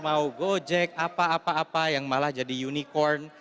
mau gojek apa apa yang malah jadi unicorn